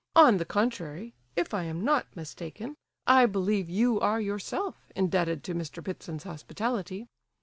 On the contrary, if I am not mistaken, I believe you are yourself indebted to Mr. Ptitsin's hospitality.